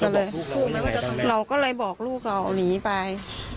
ก็เลยถูกไหมว่าจะทำเราก็เลยบอกลูกเราหนีไป